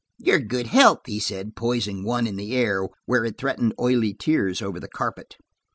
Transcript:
"Your good health," he said, poising one in the air, where it threatened oily tears over the carpet.